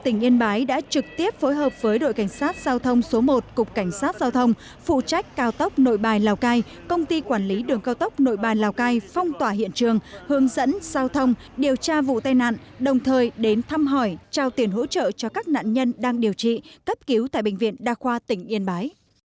tỉnh yên bái đã trực tiếp phối hợp với đội cảnh sát giao thông số một cục cảnh sát giao thông phụ trách cao tốc nội bài lào cai công ty quản lý đường cao tốc nội bài lào cai phong tỏa hiện trường hướng dẫn giao thông điều tra vụ tai nạn đồng thời đến thăm hỏi trao tiền hỗ trợ cho các nạn nhân đang điều trị cấp cứu tại bệnh viện đa khoa tỉnh yên bái